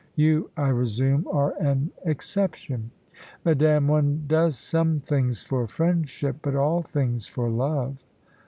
You, I resume, are an exception." "Madame, one does some things for friendship, but all things for love."